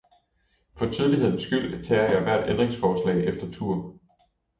For tydelighedens skyld tager jeg hvert ændringsforslag efter tur.